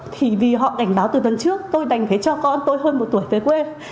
thì vì họ cảnh báo từ tuần trước tôi đành phải cho con tôi hơn một tuổi về quê